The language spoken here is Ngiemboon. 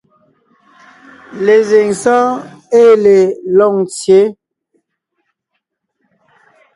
Lezíŋ sɔ́ɔn ée le Loŋtsyě,